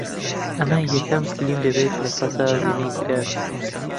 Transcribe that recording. ئەمە یەکەم فیلم دەبێت لە فەزا وێنەی گیرابێت